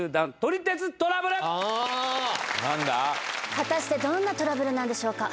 果たしてどんなトラブルなんでしょうか？